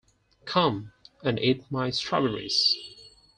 Come, and eat my strawberries.